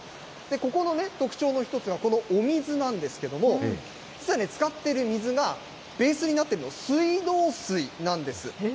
ここの特徴の一つがこのお水なんですけども、使っている水が、ベースになっているのが水道水なんです。